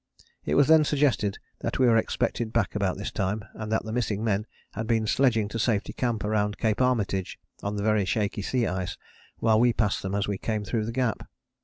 It was then suggested that we were expected back about this time, and that the missing men had been sledging to Safety Camp round Cape Armitage on the very shaky sea ice while we passed them as we came through the Gap.